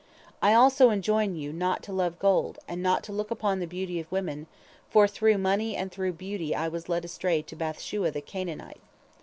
I also enjoin you not to love gold, and not to look upon the beauty of women, for through money and through beauty I was led astray to Bath shua the Canaanite.